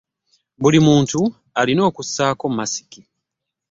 Buli muntu alina okusaako masiki